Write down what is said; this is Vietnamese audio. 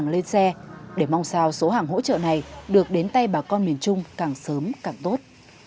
họ đã đưa tấn hàng lên xe để mong sao số hàng hỗ trợ này được đến tay bà con miền trung càng sớm càng tốt